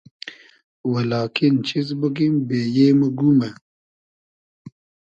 و لاکین چیز بوگیم بېیې مۉ گومۂ